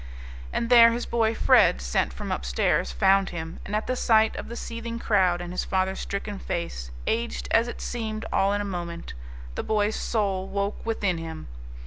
And there his boy Fred, sent from upstairs, found him; and at the sight of the seething crowd and his father's stricken face, aged as it seemed all in a moment, the boy's soul woke within him.